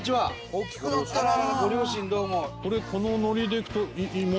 「大きくなったなあ！」